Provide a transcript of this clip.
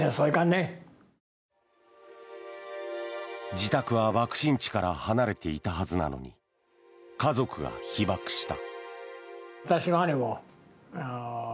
自宅は爆心地から離れていたはずなのに家族が被ばくした。